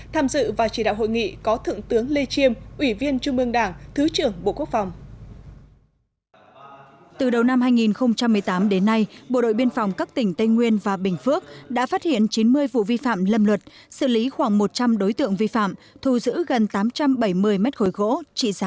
tham dự và chỉ đạo hội nghị có thượng tướng lê chiêm ủy viên trung ương đảng thứ trưởng bộ quốc phòng